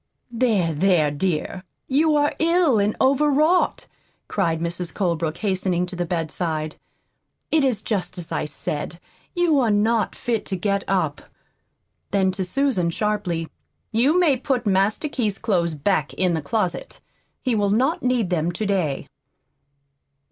"There, there, dear, you are ill and overwrought," cried Mrs. Colebrook, hastening to the bedside. "It is just as I said, you are not fit to get up." Then, to Susan, sharply: "You may put Master Keith's clothes back in the closet. He will not need them to day."